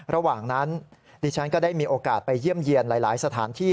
ระหว่างนั้นดิฉันก็ได้มีโอกาสไปเยี่ยมเยี่ยนหลายสถานที่